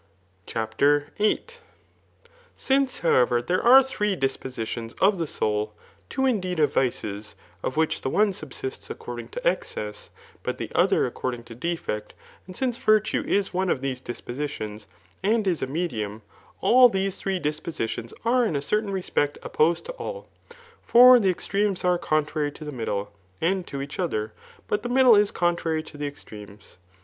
CHAPTER VIII, Since, however, there are three dispositions of the aoul, two indeed of vices, of which the one subsists according to excess, but the other according to defect^ and since virtue Is one of these dispositions, and is a medium, all these three disposidons are in a certain re« spect opposed to all. For the extremes are contrary to the middle, and to each other, but the middle is contrary to the extremes.